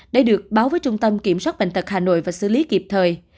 để được báo với trung tâm kiểm soát bệnh tật hà nội và xử lý kịp thời